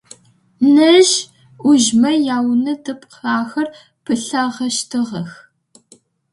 Нэжъ-ӏужъмэ яунэ дэпкъ ахэр пылъагъэщтыгъэх.